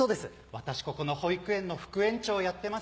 私ここの保育園の副園長をやってます